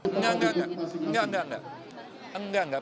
enggak enggak enggak